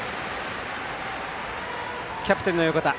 キャプテンの横田。